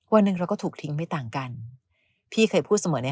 วันหนึ่งเราก็ถูกทิ้งไม่ต่างกันพี่เคยพูดเสมอใน